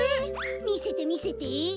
みせてみせて。